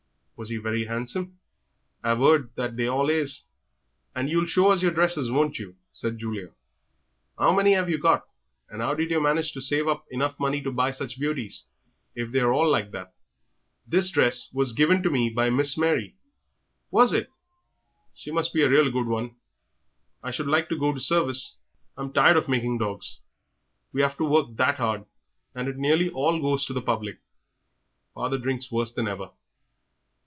Was he very handsome? I've 'eard that they all is." "And you'll show us yer dresses, won't you?" said Julia. "How many 'ave you got, and 'ow did yer manage to save up enough money to buy such beauties, if they're all like that?" "This dress was given to me by Miss Mary." "Was it? She must be a real good 'un. I should like to go to service; I'm tired of making dogs; we have to work that 'ard, and it nearly all goes to the public; father drinks worse than ever."